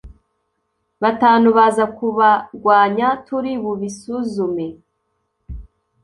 batanu baza kubarwanya turi bubisuzume